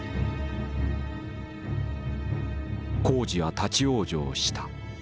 工事は立往生した。